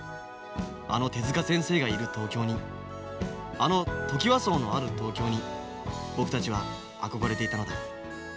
あの手先生がいる東京にあのトキワ荘のある東京に僕たちは憧れていたのだ。